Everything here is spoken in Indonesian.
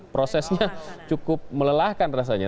prosesnya cukup melelahkan rasanya